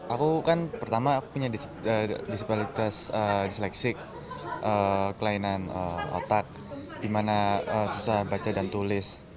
aku kan pertama punya dispalitas insleksik kelainan otak dimana susah baca dan tulis